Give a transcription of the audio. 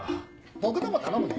僕のも頼むね？